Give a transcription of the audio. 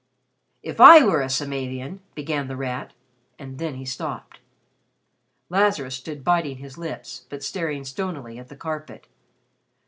"If I were a Samavian " began The Rat and then he stopped. Lazarus stood biting his lips, but staring stonily at the carpet.